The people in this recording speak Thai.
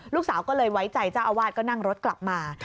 ลูกสาวก็เลยไว้ใจเจ้าอาวาสก็นั่งรถกลับมา